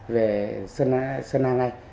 về sơn an ngay